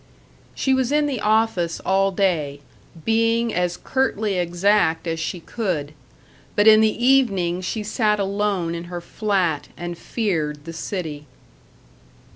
She was in the office all day, being as curtly exact as she could. But in the evening she sat alone in her flat and feared the city.